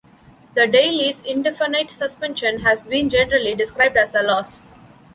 The daily's indefinite suspension has been generally described as a loss.